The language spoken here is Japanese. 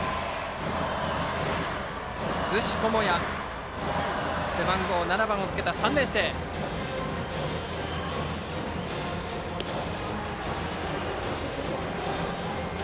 圖師朋弥、背番号７番をつけた３年生です。